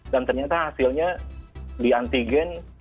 dan ternyata hasilnya diantigen